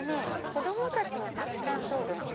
子供たちがたくさん通るの。